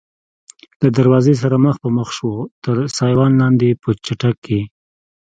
له دروازې سره مخ په مخ شوو، تر سایوان لاندې په چټک کې.